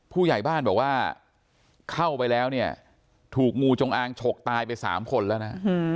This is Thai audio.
ผู้ใหญ่บ้านบอกว่าเข้าไปแล้วเนี่ยถูกงูจงอางฉกตายไป๓คนแล้วนะ